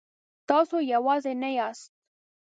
تاسو یوازې نه یاست.